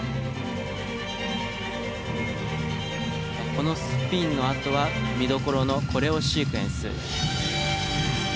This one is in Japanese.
このスピンのあとは見どころのコレオシークエンス。